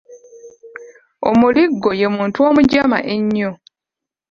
Omuligo ye muntu omujama ennyo.